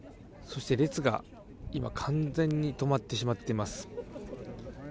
そして、列が今、完全に止まってしまっています。